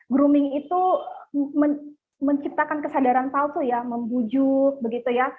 grooming itu menciptakan kesadaran palsu membujuk